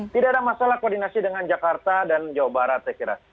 tidak ada masalah koordinasi dengan jakarta dan jawa barat saya kira